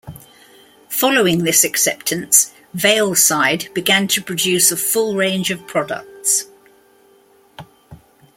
Following this acceptance, VeilSide began to produce a full range of products.